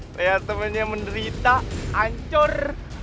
lihat temennya menderita ancur